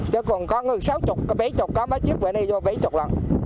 chứ còn có ngư sáu mươi có bảy mươi có mấy chiếc vừa này vô bảy mươi lần